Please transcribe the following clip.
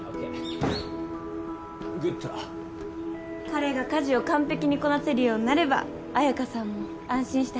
彼が家事を完璧にこなせるようになれば綾香さんも安心して働けますね。